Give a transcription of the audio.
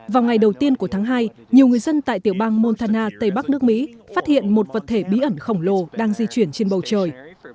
vào ngày đầu tiên của tháng hai nhiều người dân tại tiểu bang montana tây bắc nước mỹ phát hiện một vật thể bí ẩn khổng lồ đang di chuyển trên bầu trời